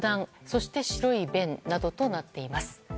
そして白い便などとなっています。